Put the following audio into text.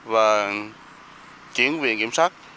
và chuyển viện kiểm soát